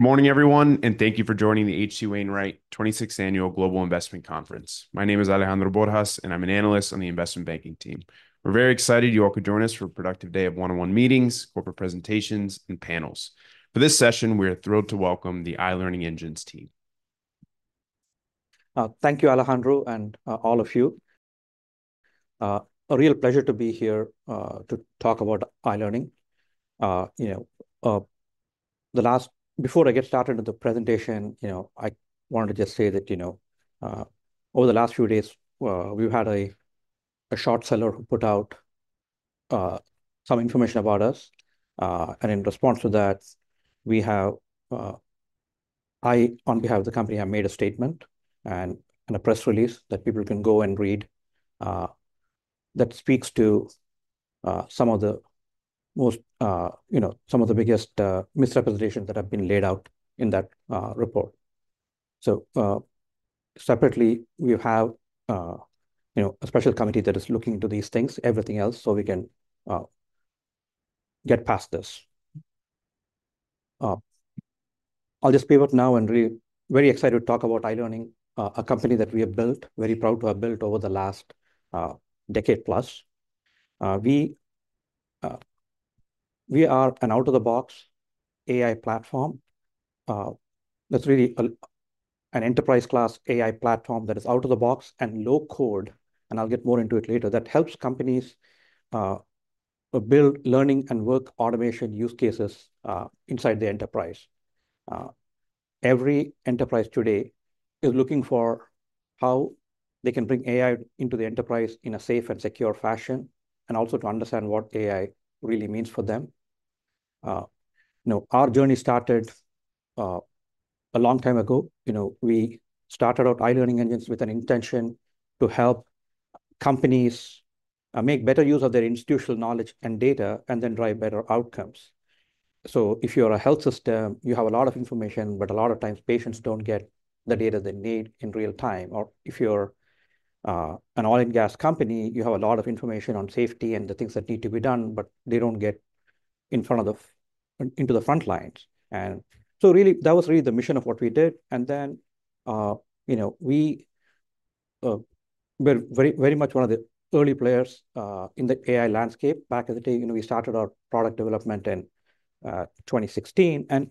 Morning, everyone, and thank you for joining the H.C. Wainwright 26th Annual Global Investment Conference. My name is Alejandro Borjas, and I'm an analyst on the investment banking team. We're very excited you all could join us for a productive day of one-on-one meetings, corporate presentations, and panels. For this session, we are thrilled to welcome the iLearningEngines team. Thank you, Alejandro, and all of you. A real pleasure to be here to talk about iLearning. You know, before I get started with the presentation, you know, I wanted to just say that, you know, over the last few days, we've had a short seller who put out some information about us, and in response to that, we have, I, on behalf of the company, have made a statement and a press release that people can go and read, that speaks to some of the most, you know, some of the biggest misrepresentations that have been laid out in that report, so separately, we have, you know, a special committee that is looking into these things, everything else, so we can get past this. I'll just pivot now and very excited to talk about iLearning, a company that we have built, very proud to have built over the last decade plus. We are an out-of-the-box AI platform that's really an enterprise-class AI platform that is out of the box and low-code, and I'll get more into it later. That helps companies build learning and work automation use cases inside the enterprise. Every enterprise today is looking for how they can bring AI into the enterprise in a safe and secure fashion, and also to understand what AI really means for them. You know, our journey started a long time ago. You know, we started out iLearningEngines with an intention to help companies make better use of their institutional knowledge and data, and then drive better outcomes. So if you're a health system, you have a lot of information, but a lot of times patients don't get the data they need in real time. Or if you're an oil and gas company, you have a lot of information on safety and the things that need to be done, but they don't get into the front lines. And so really, that was really the mission of what we did. And then you know, we were very, very much one of the early players in the AI landscape back in the day. You know, we started our product development in 2016. And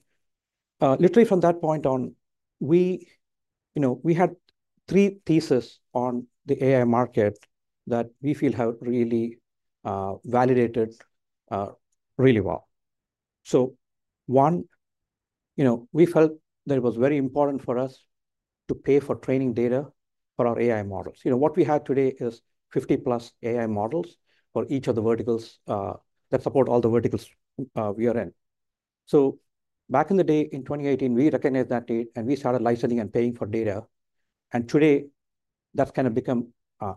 literally from that point on, we you know, we had three theses on the AI market that we feel have really validated really well. So one, you know, we felt that it was very important for us to pay for training data for our AI models. You know, what we have today is 50+ AI models for each of the verticals that support all the verticals we are in. So back in the day, in 2018, we recognized that data, and we started licensing and paying for data, and today that's kind of become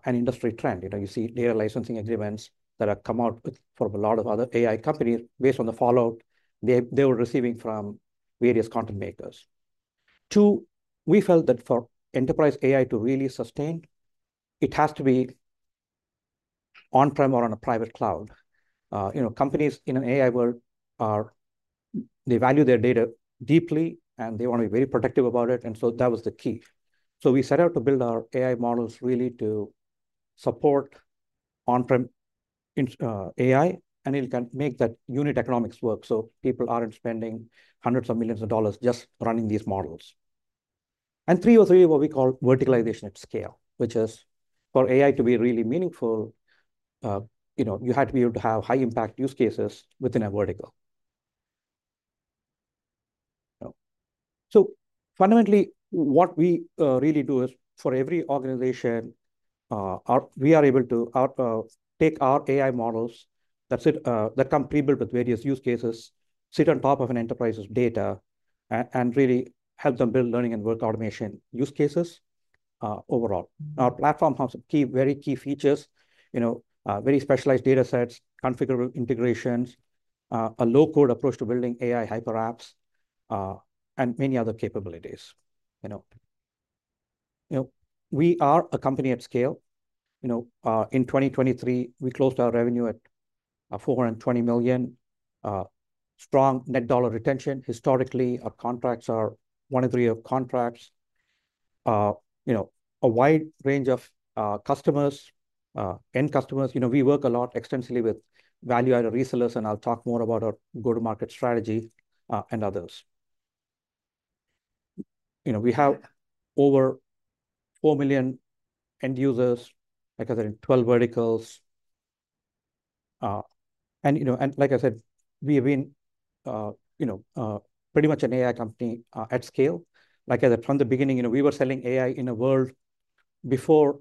an industry trend. You know, you see data licensing agreements that have come out from a lot of other AI companies based on the fallout they were receiving from various content makers. Two, we felt that for enterprise AI to really sustain, it has to be on-prem or on a private cloud. You know, companies in an AI world are, they value their data deeply, and they want to be very protective about it, and so that was the key. So we set out to build our AI models really to support on-prem, AI, and it can make that unit economics work so people aren't spending hundreds of millions of dollars just running these models. And three or three, what we call verticalization at scale, which is, for AI to be really meaningful, you know, you had to be able to have high-impact use cases within a vertical. So fundamentally, what we really do is, for every organization, our... We are able to take our AI models that come prebuilt with various use cases, sit on top of an enterprise's data and really help them build learning and work automation use cases, overall. Our platform has key, very key features, you know, very specialized datasets, configurable integrations, a low-code approach to building AI HyperApps, and many other capabilities. You know, we are a company at scale. You know, in 2023, we closed our revenue at $420 million, strong net dollar retention. Historically, our contracts are one- to three-year contracts. You know, a wide range of customers, end customers. You know, we work a lot extensively with value-added resellers, and I'll talk more about our go-to-market strategy and others. You know, we have over 4 million end users, like I said, in 12 verticals. And you know, like I said, we have been, you know, pretty much an AI company, at scale. Like I said, from the beginning, you know, we were selling AI in a world before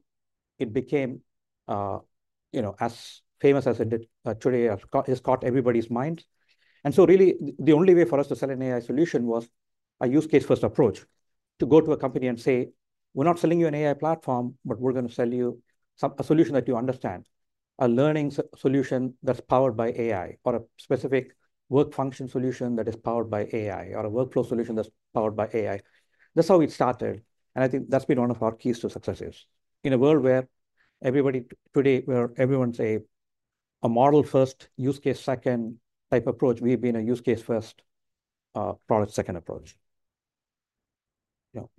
it became, you know, as famous as it did, today, it's caught everybody's mind. And so really, the only way for us to sell an AI solution was a use case-first approach. To go to a company and say: "We're not selling you an AI platform, but we're going to sell you a solution that you understand, a learning solution that's powered by AI, or a specific work function solution that is powered by AI, or a workflow solution that's powered by AI." That's how it started, and I think that's been one of our keys to successes. In a world where everybody today, where everyone a model first, use case second type approach. We've been a use case first, product second approach. You know,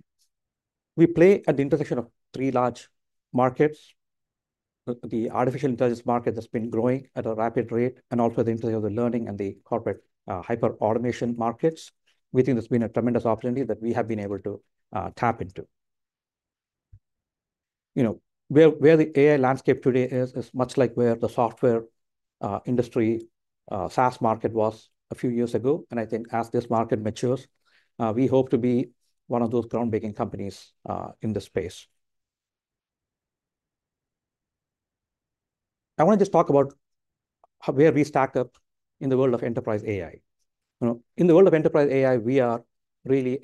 we play at the intersection of three large markets: the artificial intelligence market that's been growing at a rapid rate, and also the intersection of the learning and the corporate hyperautomation markets. We think there's been a tremendous opportunity that we have been able to tap into. You know, where the AI landscape today is much like where the software industry SaaS market was a few years ago. And I think as this market matures, we hope to be one of those groundbreaking companies in this space. I want to just talk about where we stacked up in the world of enterprise AI. You know, in the world of enterprise AI, we are really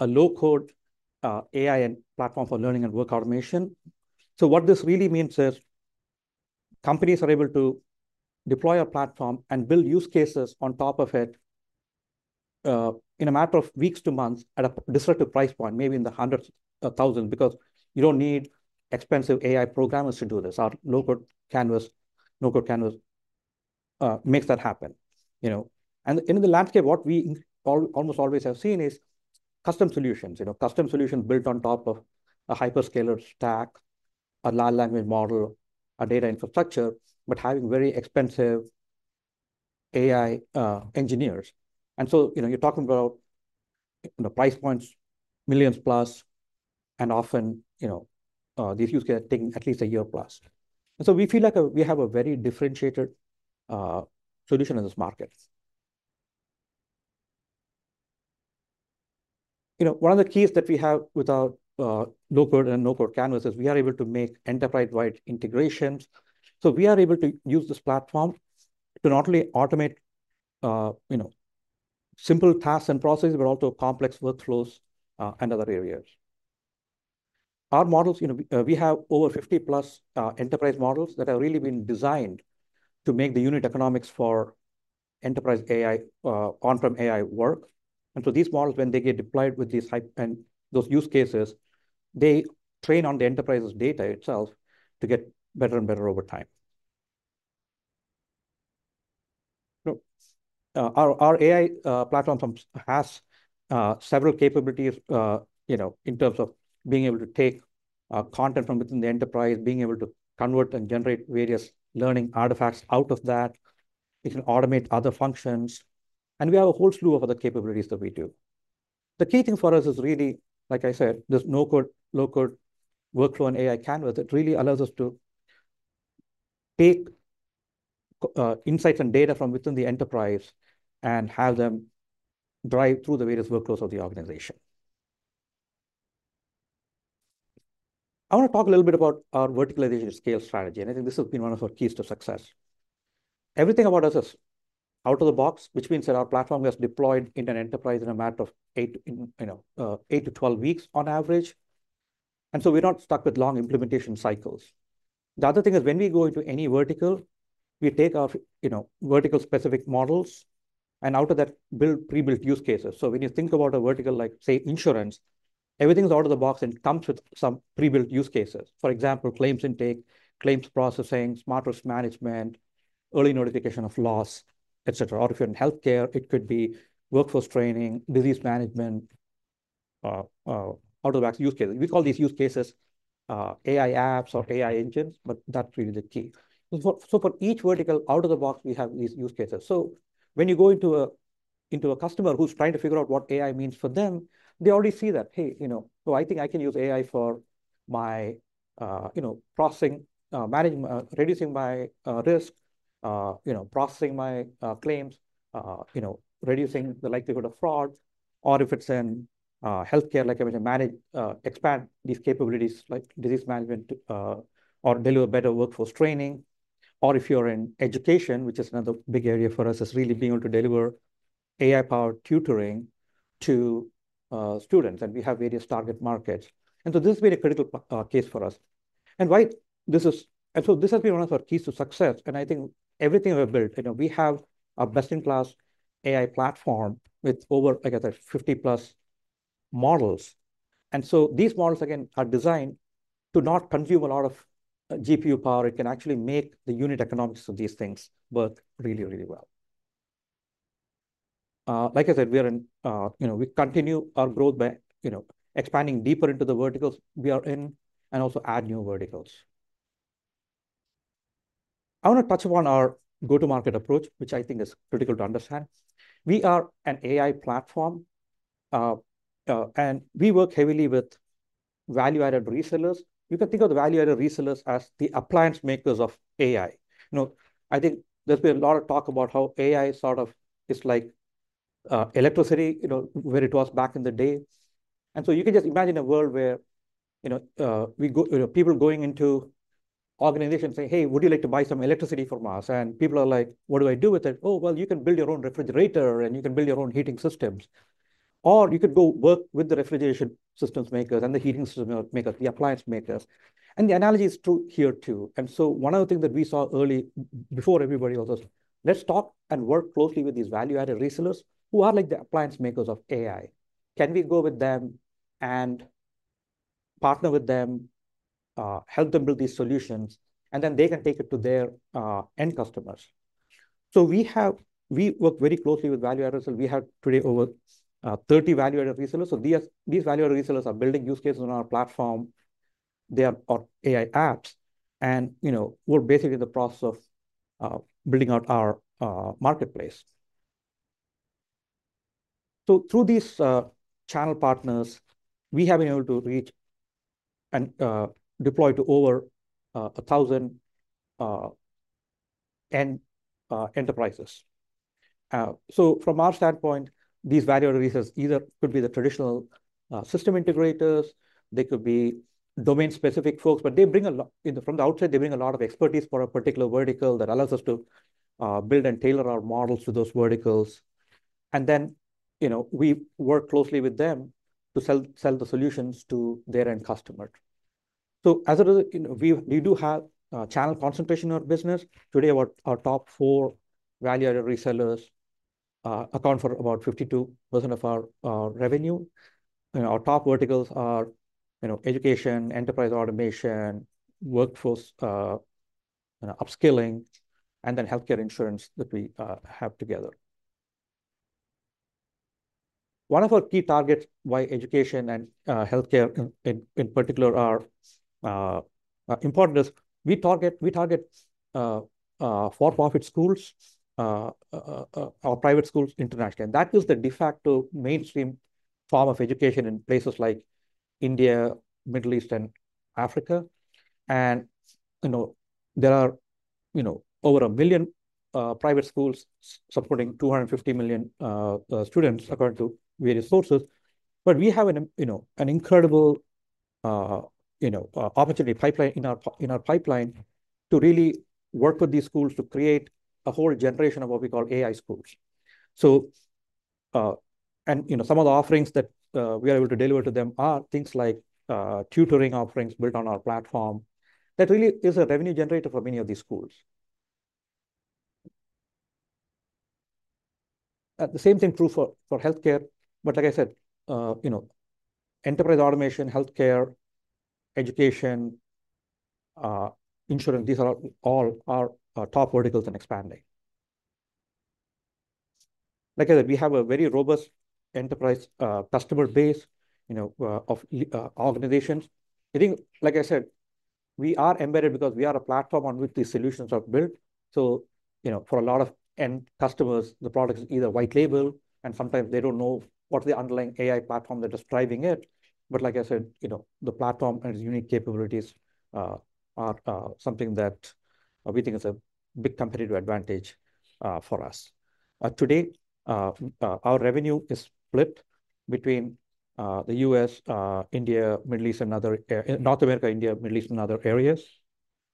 a low-code AI platform for learning and work automation. So what this really means is companies are able to deploy a platform and build use cases on top of it in a matter of weeks to months at a disruptive price point, maybe in the hundreds of thousands, because you don't need expensive AI programmers to do this. Our low-code canvas makes that happen, you know. And in the landscape, what we almost always have seen is custom solutions. You know, custom solutions built on top of a hyperscaler stack, a large language model, a data infrastructure, but having very expensive AI engineers. And so, you know, you're talking about the price points, millions plus, and often, you know, these use cases taking at least a year plus. And so we feel like, we have a very differentiated solution in this market. You know, one of the keys that we have with our low-code and no-code canvas is we are able to make enterprise-wide integrations. So we are able to use this platform to not only automate, you know, simple tasks and processes, but also complex workflows and other areas. Our models, you know, we have over 50+ enterprise models that have really been designed to make the unit economics for enterprise AI, on-prem AI work, and so these models, when they get deployed with these HyperApps and those use cases, they train on the enterprise's data itself to get better and better over time. Our AI platform has several capabilities, you know, in terms of being able to take content from within the enterprise, being able to convert and generate various learning artifacts out of that. It can automate other functions, and we have a whole slew of other capabilities that we do. The key thing for us is really, like I said, this no-code, low-code workflow and AI canvas that really allows us to take insights and data from within the enterprise and have them drive through the various workflows of the organization. I want to talk a little bit about our verticalization scale strategy, and I think this has been one of our keys to success. Everything about us is out of the box, which means that our platform gets deployed into an enterprise in a matter of 8-12 weeks on average, and so we're not stuck with long implementation cycles. The other thing is, when we go into any vertical, we take our vertical specific models, and out of that, build pre-built use cases. So when you think about a vertical, like, say, insurance, everything is out of the box and comes with some pre-built use cases. For example, claims intake, claims processing, smart risk management, early notification of loss, et cetera. Or if you're in healthcare, it could be workforce training, disease management, out-of-the-box use cases. We call these use cases, AI apps or AI engines, but that's really the key. So for each vertical out of the box, we have these use cases. So when you go into a customer who's trying to figure out what AI means for them, they already see that, hey, you know, so I think I can use AI for my, you know, processing, manage, reducing my, risk, you know, processing my, claims, you know, reducing the likelihood of fraud. Or if it's in healthcare, like I want to manage, expand these capabilities, like disease management, or deliver better workforce training. Or if you're in education, which is another big area for us, is really being able to deliver AI-powered tutoring to students, and we have various target markets. And so this has been a critical case for us. And so this has been one of our keys to success, and I think everything we've built, you know, we have a best-in-class AI platform with over, like I said, 50-plus models. And so these models, again, are designed to not consume a lot of GPU power. It can actually make the unit economics of these things work really, really well. Like I said, we are in, you know, we continue our growth by, you know, expanding deeper into the verticals we are in and also add new verticals. I want to touch upon our go-to-market approach, which I think is critical to understand. We are an AI platform, and we work heavily with value-added resellers. You can think of the value-added resellers as the appliance makers of AI. You know, I think there's been a lot of talk about how AI sort of is like, electricity, you know, where it was back in the day. And so you can just imagine a world where, you know, we go, you know, people going into organizations saying, "Hey, would you like to buy some electricity from us?" And people are like: "What do I do with it?" "Oh, well, you can build your own refrigerator, and you can build your own heating systems. Or you could go work with the refrigeration systems makers and the heating system makers, the appliance makers." And the analogy is true here, too. And so one of the things that we saw early, before everybody else, is let's talk and work closely with these value-added resellers who are like the appliance makers of AI. Can we go with them and partner with them, help them build these solutions, and then they can take it to their end customers. So we work very closely with value-added resellers. We have today over 30 value-added resellers. So these value-added resellers are building use cases on our platform. They are our AI apps, and, you know, we're basically in the process of building out our marketplace. So through these channel partners, we have been able to reach and deploy to over 1,000 end enterprises. So from our standpoint, these value-added resellers either could be the traditional system integrators, they could be domain-specific folks, but they bring a lot. From the outside, they bring a lot of expertise for a particular vertical that allows us to build and tailor our models to those verticals. And then, you know, we work closely with them to sell the solutions to their end customer. So as a result, you know, we do have channel concentration on business. Today, our top four value-added resellers account for about 52% of our revenue. You know, our top verticals are, you know, education, enterprise automation, workforce, you know, upskilling, and then healthcare insurance that we have together. One of our key targets, why education and healthcare in particular are important, is we target for-profit schools or private schools internationally. You know, there are, you know, over 1 million private schools supporting 250 million students, according to various sources. But we have, you know, an incredible opportunity pipeline in our pipeline to really work with these schools to create a whole generation of what we call AI schools. So, and, you know, some of the offerings that we are able to deliver to them are things like tutoring offerings built on our platform. That really is a revenue generator for many of these schools. The same thing true for healthcare, but like I said, you know, enterprise automation, healthcare, education, insurance, these are all our top verticals and expanding. Like I said, we have a very robust enterprise customer base, you know, of organizations. I think, like I said, we are embedded because we are a platform on which these solutions are built. So, you know, for a lot of end customers, the product is either white label, and sometimes they don't know what's the underlying AI platform that is driving it. But like I said, you know, the platform and its unique capabilities are something that we think is a big competitive advantage for us. Today, our revenue is split between the U.S., India, Middle East, and other... North America, India, Middle East, and other areas.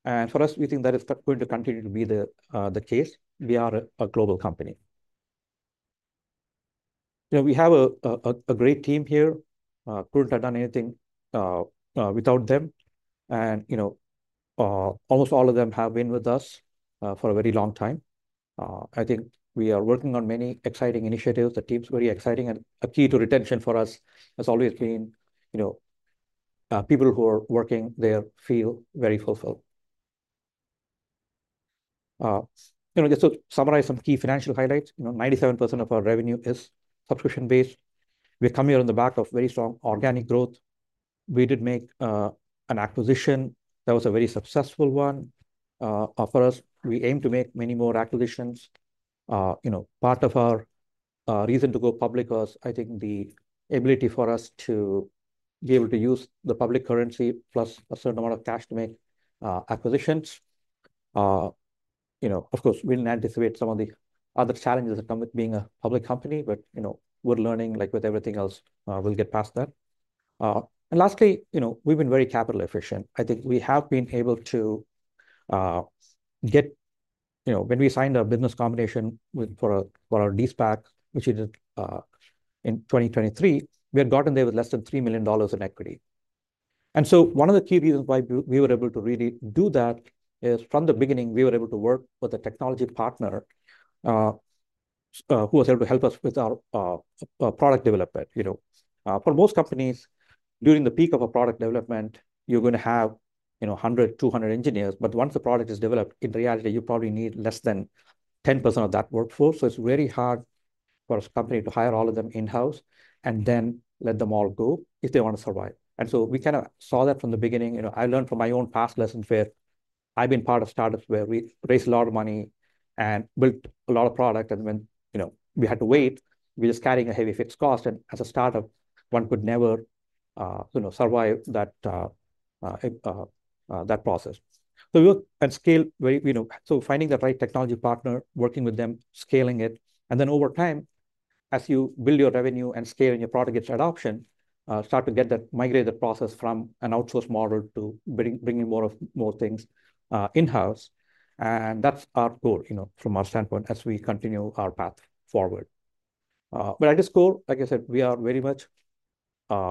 And for us, we think that is going to continue to be the case. We are a global company. You know, we have a great team here. Couldn't have done anything without them. And, you know, almost all of them have been with us for a very long time. I think we are working on many exciting initiatives. The team's very exciting, and a key to retention for us has always been, you know, people who are working there feel very fulfilled. You know, just to summarize some key financial highlights, you know, 97% of our revenue is subscription-based. We're coming on the back of very strong organic growth. We did make an acquisition that was a very successful one for us. We aim to make many more acquisitions. You know, part of our reason to go public was, I think, the ability for us to be able to use the public currency plus a certain amount of cash to make acquisitions. You know, of course, we didn't anticipate some of the other challenges that come with being a public company, but, you know, we're learning, like with everything else, we'll get past that. And lastly, you know, we've been very capital efficient. I think we have been able to get... You know, when we signed our business combination with for our de-SPAC, which we did in 2023, we had gotten there with less than $3 million in equity. And so one of the key reasons why we were able to really do that is, from the beginning, we were able to work with a technology partner who was able to help us with our product development. You know, for most companies, during the peak of a product development, you're gonna have, you know, a hundred, two hundred engineers, but once the product is developed, in reality, you probably need less than 10% of that workforce. So it's very hard for a company to hire all of them in-house and then let them all go if they want to survive. And so we kind of saw that from the beginning. You know, I learned from my own past lessons where I've been part of startups where we raised a lot of money and built a lot of product, and when, you know, we had to wait, we're just carrying a heavy fixed cost, and as a startup, one could never, you know, survive that, that process. So we work at scale very, you know, so finding the right technology partner, working with them, scaling it, and then over time, as you build your revenue and scaling your product adoption, start to get that migrate the process from an outsource model to bringing more things in-house. And that's our goal, you know, from our standpoint, as we continue our path forward. But at this goal, like I said, we are very much, you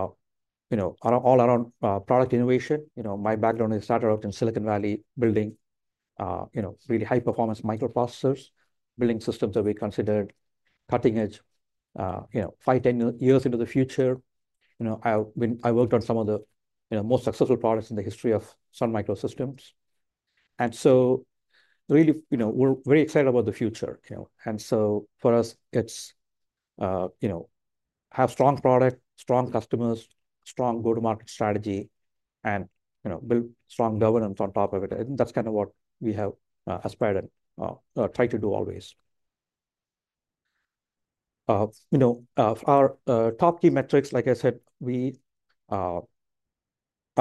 know, all around product innovation. You know, my background is startup in Silicon Valley, you know, really high-performance microprocessors, building systems that we considered cutting-edge, you know, five, 10 years into the future. You know, I, when I worked on some of the, you know, most successful products in the history of Sun Microsystems. And so really, you know, we're very excited about the future, you know. And so for us, it's, you know, have strong product, strong customers, strong go-to-market strategy, and, you know, build strong governance on top of it. I think that's kind of what we have, aspired and tried to do always. You know, our top key metrics, like I said, our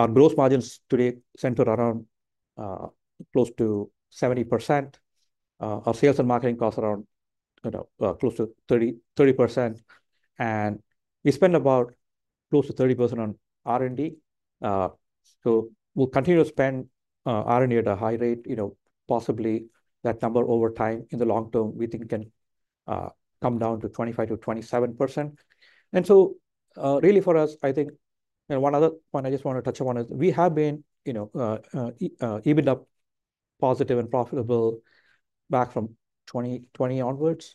gross margins today centered around close to 70%. Our sales and marketing costs around, you know, close to 30%, and we spend about close to 30% on R&D. So we'll continue to spend R&D at a high rate, you know, possibly that number over time. In the long term, we think can come down to 25%-27%. And so, really, for us, I think... You know, one other point I just want to touch on is we have been, you know, EBITDA positive and profitable back from 2020 onwards.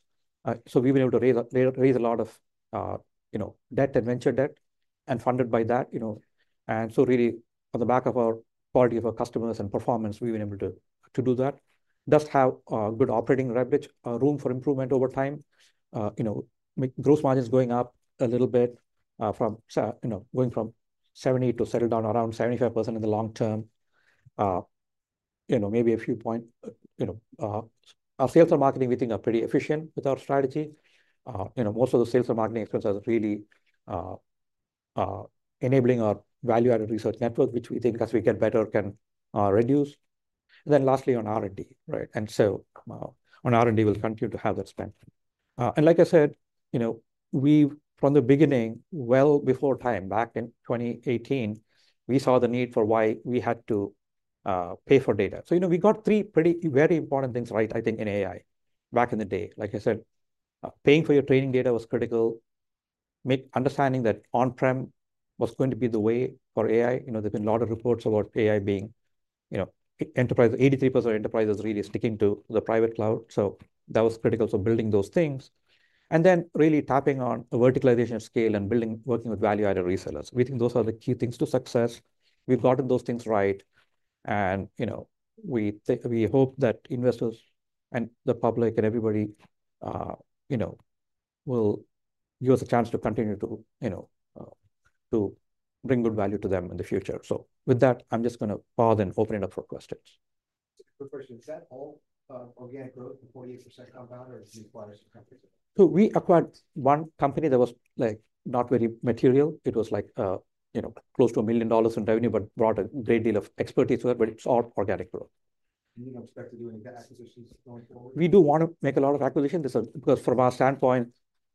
So we've been able to raise a lot of, you know, debt and venture debt and funded by that, you know. And so really, on the back of our quality of our customers and performance, we've been able to, to do that. Does have good operating leverage, room for improvement over time. You know, gross margin is going up a little bit, from you know, going from 70% to settle down around 75% in the long term. You know, maybe a few point, you know... Our sales and marketing, we think, are pretty efficient with our strategy. You know, most of the sales and marketing expenses are really enabling our value-added reseller network, which we think, as we get better, can reduce. Then lastly, on R&D, right? And so, on R&D, we'll continue to have that spend. And like I said, you know, we've from the beginning, well before time, back in 2018, we saw the need for why we had to pay for data. So, you know, we got three pretty, very important things right, I think, in AI back in the day. Like I said, paying for your training data was critical. Understanding that on-prem was going to be the way for AI. You know, there's been a lot of reports about AI being, you know, enterprise, 83% of enterprises really sticking to the private cloud. So that was critical for building those things. And then really tapping on the verticalization of scale and building, working with value-added resellers. We think those are the key things to success. We've gotten those things right, and, you know, we hope that investors and the public and everybody, you know, will give us a chance to continue to, you know, to bring good value to them in the future. So with that, I'm just gonna pause and open it up for questions. Quick question, is that all organic growth, the 48% compound, or did you acquire some companies? So we acquired one company that was, like, not very material. It was like, you know, close to $1 million in revenue, but brought a great deal of expertise to it, but it's all organic growth. Do you expect to do any acquisitions going forward? We do want to make a lot of acquisitions. This is because from our standpoint,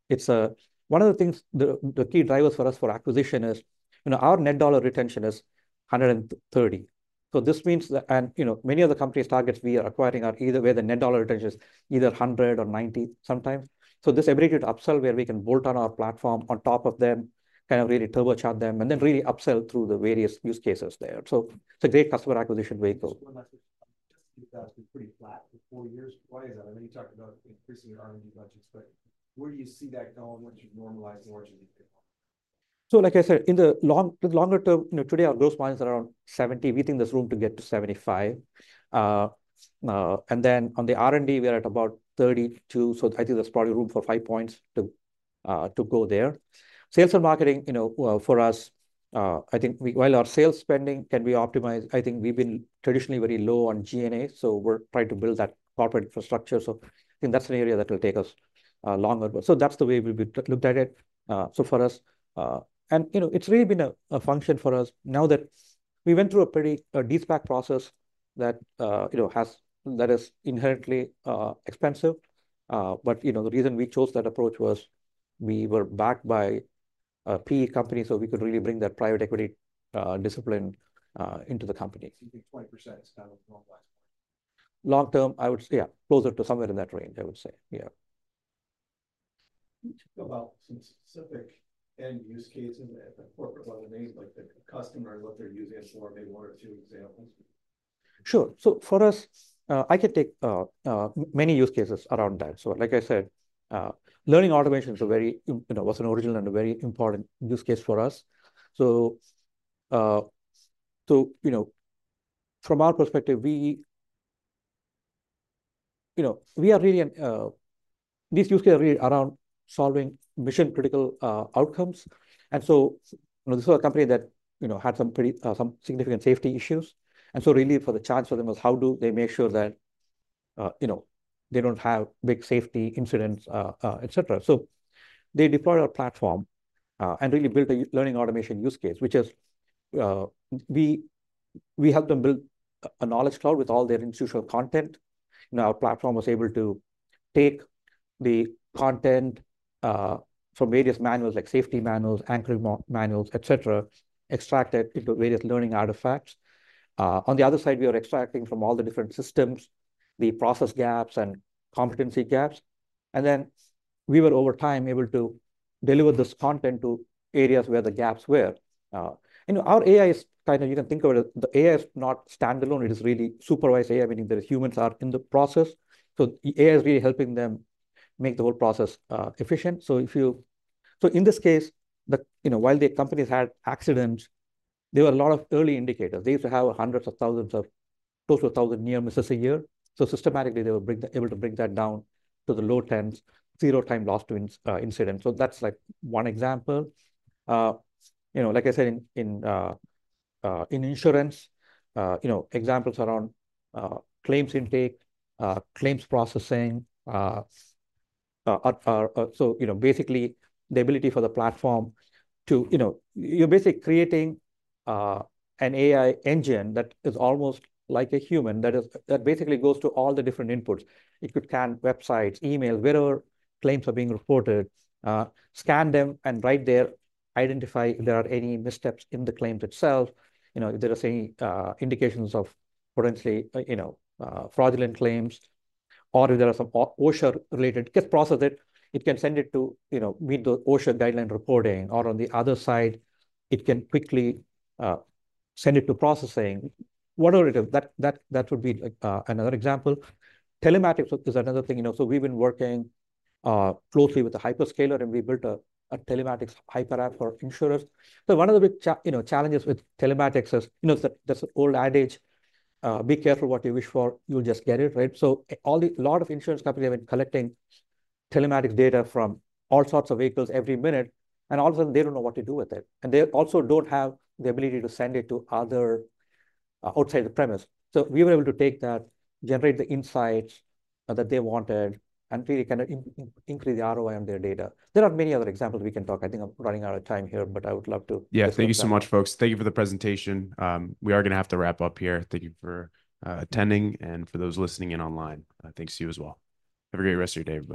it's a one of the things. The key drivers for us for acquisition is, you know, our net dollar retention is 130%. So this means that, and, you know, many of the company targets we are acquiring are either where the net dollar retention is either 100% or 90% sometimes. So this ability to upsell where we can bolt on our platform on top of them, kind of really turbocharge them, and then really upsell through the various use cases there. So it's a great customer acquisition vehicle. Just to keep that, it's been pretty flat for four years. Why is that? I know you talked about increasing your R&D budgets, but where do you see that going once you've normalized margins? So, like I said, in the long, the longer term, you know, today our growth points are around 70%. We think there's room to get to 75%. And then on the R&D, we are at about 32%, so I think there's probably room for five points to go there. Sales and marketing, you know, for us, I think we, while our sales spending can be optimized, I think we've been traditionally very low on G&A, so we're trying to build that corporate infrastructure. So I think that's an area that will take us longer. So that's the way we looked at it. So for us, and, you know, it's really been a function for us now that we went through a pretty de-SPAC process that you know has that is inherently expensive. But, you know, the reason we chose that approach was we were backed by a PE company, so we could really bring that private equity, discipline, into the company. So you think 20% is kind of a normalized point? Long term, I would say, yeah, closer to somewhere in that range, I would say. Yeah. Can you talk about some specific end-use cases at the corporate level, maybe like the customer and what they're using it for, maybe one or two examples? Sure. So for us, I can take many use cases around that. So like I said, learning automation is a very important, you know, was an original and a very important use case for us. So you know, from our perspective, we you know we are really this use case is really around solving mission-critical outcomes. And so you know this is a company that you know had some pretty significant safety issues. And so really the challenge for them was how do they make sure that you know they don't have big safety incidents etc.? So they deployed our platform and really built a learning automation use case which is we helped them build a Knowledge Cloud with all their institutional content. And our platform was able to take the content from various manuals, like safety manuals, anchor manuals, etc., extract it into various learning artifacts. On the other side, we are extracting from all the different systems the process gaps and competency gaps. And then we were, over time, able to deliver this content to areas where the gaps were. You know, our AI is kind of, you can think of it, the AI is not standalone, it is really supervised AI, meaning that humans are in the process. So the AI is really helping them make the whole process efficient. So in this case, you know, while the companies had accidents, there were a lot of early indicators. They used to have hundreds of thousands of, close to a thousand near misses a year. So systematically, they were able to bring that down to the low teens, zero time loss to incidents. So that's, like, one example. You know, like I said, in insurance, you know, examples around claims intake, claims processing, so you know, basically, the ability for the platform to, you know. You're basically creating an AI engine that is almost like a human, that basically goes to all the different inputs. It could scan websites, emails, wherever claims are being reported, scan them, and right there, identify if there are any missteps in the claims itself. You know, if there are any indications of potentially, you know, fraudulent claims, or if there are some OSHA-related, just process it. It can send it to, you know, meet the OSHA guideline reporting, or on the other side, it can quickly send it to processing, whatever it is. That would be another example. Telematics is another thing, you know. So we've been working closely with the hyperscaler, and we built a telematics HyperApp for insurers. So one of the big challenges with telematics is, you know, that there's an old adage: be careful what you wish for, you'll just get it, right? So a lot of insurance companies have been collecting telematics data from all sorts of vehicles every minute, and all of a sudden, they don't know what to do with it, and they also don't have the ability to send it to other outside the premises. So we were able to take that, generate the insights that they wanted, and really kind of increase the ROI on their data. There are many other examples we can talk. I think I'm running out of time here, but I would love to- Yeah. Thank you so much, folks. Thank you for the presentation. We are going to have to wrap up here. Thank you for attending, and for those listening in online, thanks to you as well. Have a great rest of your day, everyone.